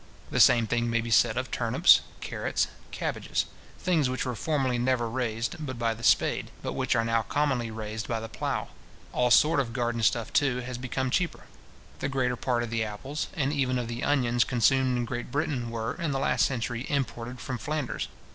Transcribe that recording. The same thing may be said of turnips, carrots, cabbages; things which were formerly never raised but by the spade, but which are now commonly raised by the plough. All sort of garden stuff, too, has become cheaper. The greater part of the apples, and even of the onions, consumed in Great Britain, were, in the last century, imported from Flanders.